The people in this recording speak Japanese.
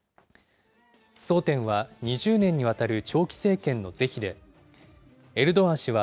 争点は２０年にわたる長期政権の是非で、エルドアン氏は、